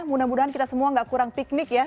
mudah mudahan kita semua gak kurang piknik ya